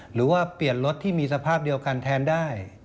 หรือว่าเปลี่ยนรถที่มีสภาพเดียวกันแทนได้